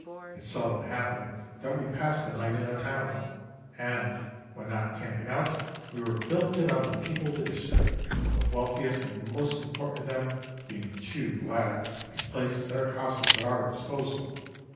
It seldom happened that we passed a night in a town, and, when not camping out, we were billeted on the people of the district, the wealthiest and most important of them being too glad to place their houses at our disposal.